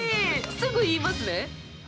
すぐ言いますね。